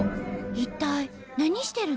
一体何してるの？